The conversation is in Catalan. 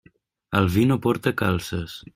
El vi no porta calces.